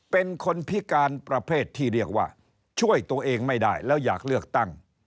เป็นคนพิการประเภทที่เรียกว่าช่วยตัวเองไม่ได้แล้วอยากเลือกตั้ง